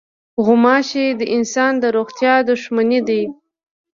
غوماشې د انسان د روغتیا دښمنې دي.